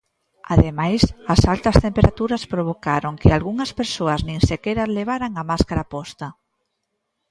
Ademais, as altas temperaturas provocaron que algunhas persoas nin sequera levaran a máscara posta.